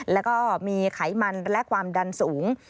แล้วก็มีไขมันและความดันสูง